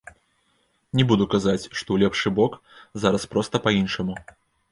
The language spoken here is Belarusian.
Не буду казаць, што ў лепшы бок, зараз проста па-іншаму.